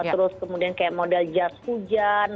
terus kemudian kayak modal jar hujan